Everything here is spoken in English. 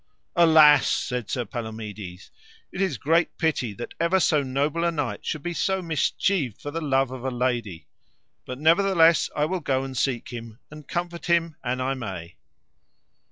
Alas, said Sir Palomides, it is great pity that ever so noble a knight should be so mischieved for the love of a lady; but nevertheless, I will go and seek him, and comfort him an I may.